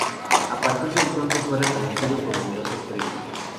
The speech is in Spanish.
A partir de entonces, fue reconocido con numerosos premios.